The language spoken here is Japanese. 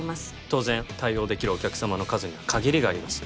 当然対応できるお客様の数には限りがあります